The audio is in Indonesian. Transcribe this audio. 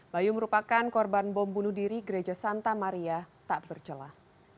bayu merupakan korban bom bunuh diri gereja santa maria tak bercelah